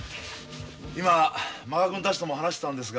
今満賀くんたちとも話してたんですが。